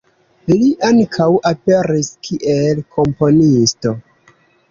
Li ankaŭ aperis kiel komponisto.